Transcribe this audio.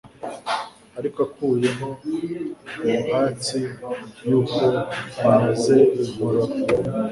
Ariko akuye ho ubuhatsi yuko anyaze i Mpororo